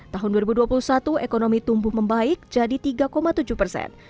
tahun dua ribu dua puluh satu ekonomi tumbuh membaik jadi tiga tujuh persen